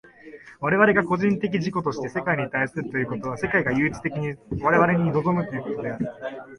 我々が個人的自己として世界に対するということは、世界が唯一的に我々に臨むことである。